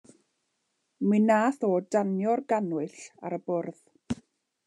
Mi nath o danio'r gannwyll ar y bwrdd.